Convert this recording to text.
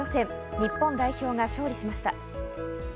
日本代表が勝利しました。